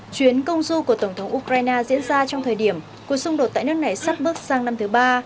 chuyến công du của tổng thống ukraine diễn ra trong thời điểm cuộc xung đột tại nước này sắp bước sang năm thứ ba